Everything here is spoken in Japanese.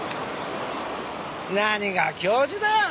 何が教授だよ